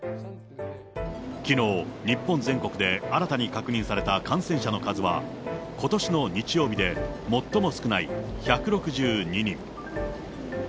きのう、日本全国で新たに確認された感染者の数は、ことしの日曜日で最も少ない１６２人。